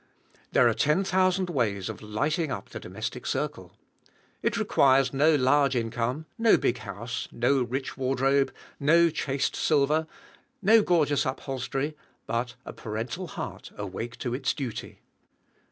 There are ten thousand ways of lighting up the domestic circle. It requires no large income, no big house, no rich wardrobe, no chased silver, no gorgeous upholstery, but a parental heart awake to its duty.